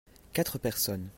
quatre personnes.